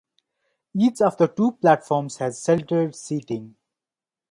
Each of the two platforms has sheltered seating.